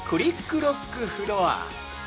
ロックフロア！